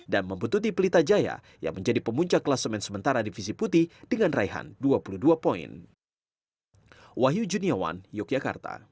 dan membutuhkan pelita jaya yang menjadi pemunca kelas men sementara divisi putih dengan raihan dua puluh dua poin